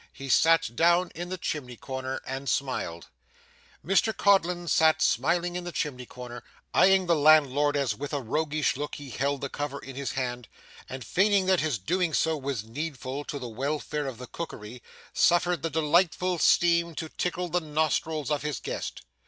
He sat down in the chimney corner and smiled. Mr Codlin sat smiling in the chimney corner, eyeing the landlord as with a roguish look he held the cover in his hand, and, feigning that his doing so was needful to the welfare of the cookery, suffered the delightful steam to tickle the nostrils of his guest.